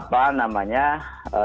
apa namanya ini salah satu